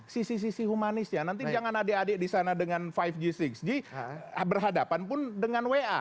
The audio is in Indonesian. sisi sisi humanisnya nanti jangan adik adik di sana dengan lima g enam g berhadapan pun dengan wa